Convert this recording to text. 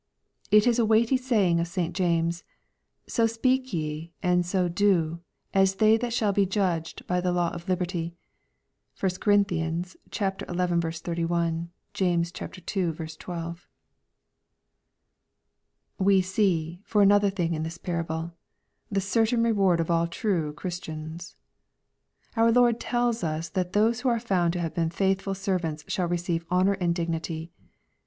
It is a weighty saying of St. James, " So speak ye, and so do, as they that shall be judged by the law of liberty." (1 Cor. xi. 31. James ii. 12.) We see, for another thing, in this parable, the certain reward of all true Christians, Our Lord tells us that those who are found to have been faithful servants shall receive honor and dignity.